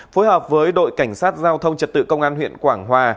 phối hợp với đội cảnh sát giao thông trật tự công an huyện quảng hòa